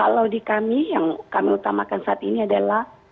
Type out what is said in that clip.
kalau di kami yang kami utamakan saat ini adalah